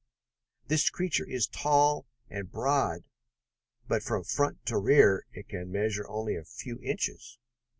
This creature is tall and broad, but from front to rear it can measure only a few inches.